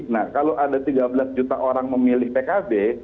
nah kalau ada tiga belas juta orang memilih pkb